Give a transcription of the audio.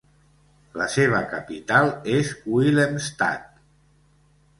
La seva capital és Willemstad.